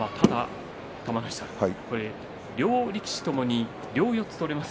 両力士ともに両四つ取れます。